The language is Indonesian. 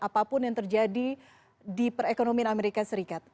apapun yang terjadi di perekonomian amerika serikat